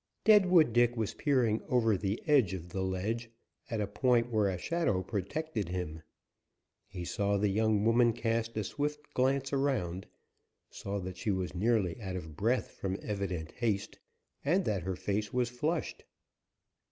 Deadwood Dick was peering over the edge of the ledge, at a point where a shadow protected him. He saw the young woman cast a swift glance around, saw that she was nearly out of breath from evident haste, and that her face was flushed.